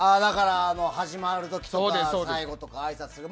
始まる時とか最後とかあいさつする。